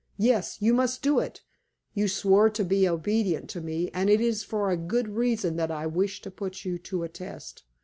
Yes; you must do it. You swore to be obedient to me, and it is for a good reason that I wish to put you to a test.